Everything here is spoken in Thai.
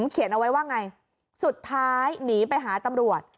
เขียนเอาไว้ว่าไงสุดท้ายหนีไปหาตำรวจ